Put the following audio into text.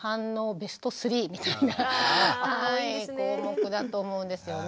ベスト３みたいな項目だと思うんですよね。